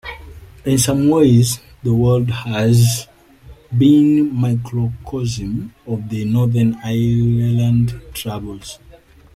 In some ways the ward has been a microcosm of the Northern Ireland troubles.